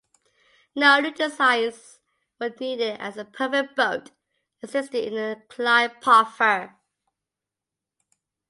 No new designs were needed as the perfect boat existed in a Clyde Puffer.